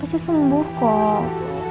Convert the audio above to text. pasti sembuh kok